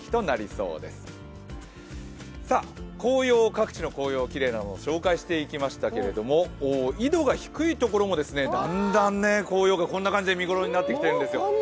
各地の紅葉、きれいなのを紹介していきましたけれども、緯度が低いところもだんだん、紅葉がこんな感じで見頃になってきてるんですよ。